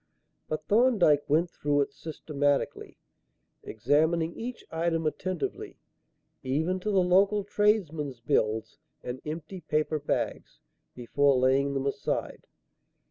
But Thorndyke went through it systematically, examining each item attentively, even to the local tradesmen's bills and empty paper bags, before laying them aside.